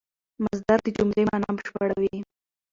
مصدر د جملې مانا بشپړوي.